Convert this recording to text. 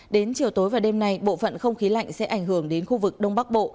đến chiều tối và đêm nay bộ phận không khí lạnh sẽ ảnh hưởng đến khu vực đông bắc bộ